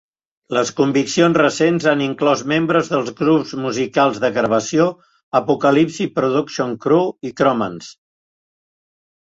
Les conviccions recents han inclòs membres dels grups musicals de gravació Apocalypse Production Crew i Chromance.